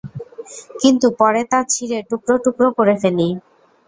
কিন্তু পরে তা ছিড়ে টুকরো-টুকরো করে ফেলি।